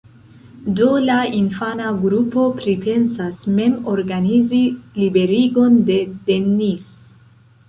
Do la infana grupo pripensas mem organizi liberigon de Dennis.